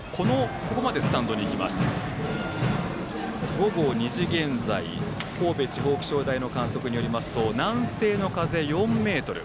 午後２時現在、神戸地方気象台の観測によりますと南西の風４メートル。